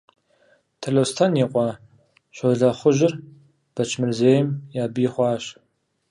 Талъостэн и къуэ Щолэхъужьыр Бэчмырзейм я бий хъуащ.